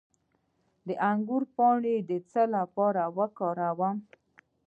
د انګور پاڼې د څه لپاره وکاروم؟